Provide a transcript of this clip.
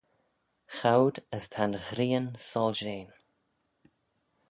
Choud as ta'n ghrian soilshean.